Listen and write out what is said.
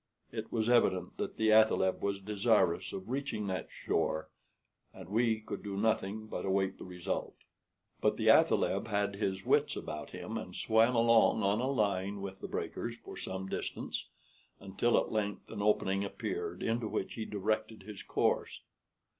It was evident that the athaleb was desirous of reaching that shore, and we could do nothing but await the result. But the athaleb had his wits about him, and swam along on a line with the breakers for some distance, until at length an opening appeared, into which he directed his course.